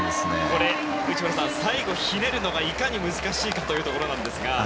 これ、内村さん最後ひねるのがいかに難しいかというところですが。